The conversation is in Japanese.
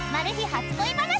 初恋話！］